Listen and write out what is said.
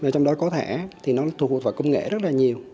trong đó có thẻ thì nó thuộc hội vào công nghệ rất là nhiều